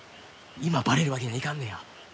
今バレるわけにはいかんのや。